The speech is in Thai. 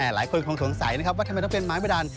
หลายคนคงสงสัยนะครับว่าทำไมต้องเป็นไม้บดัน